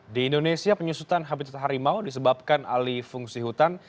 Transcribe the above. di indonesia penyusutan habitat harimau disebabkan alih fungsi hutan